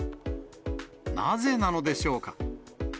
なぜなのでしょうか。